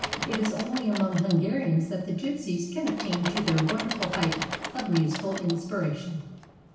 It is only among Hungarians that the gyp sies can attain to their wonderful height of musical in spiration.